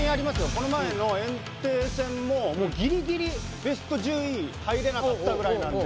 この前の炎帝戦もギリギリベスト１０位入れなかったぐらいなんで。